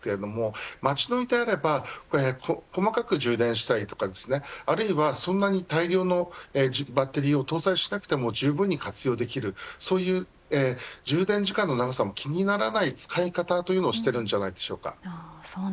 街乗りであれば細かく充電したりとかあるいは、そんなに大量のバッテリーを搭載しなくてもじゅうぶんに活用できる充電時間の長さも気にならない使い方というのができるのではないでしょうか。